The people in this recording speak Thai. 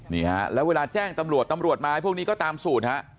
นี่ฮะแล้วเวลาแจ้งตำรวจตำรวจมาให้พวกนี้ก็ตามสูตรฮะ